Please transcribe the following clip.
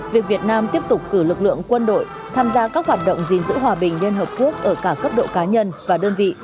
việc việt nam tiếp tục cử lực lượng quân đội tham gia các hoạt động gìn giữ hòa bình liên hợp quốc ở cả cấp độ cá nhân và đơn vị